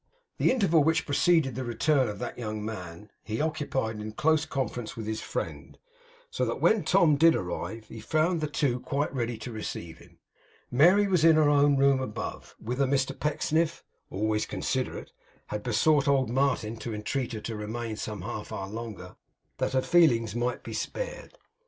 The interval which preceded the return of that young man, he occupied in a close conference with his friend; so that when Tom did arrive, he found the two quite ready to receive him. Mary was in her own room above, whither Mr Pecksniff, always considerate, had besought old Martin to entreat her to remain some half hour longer, that her feelings might be spared.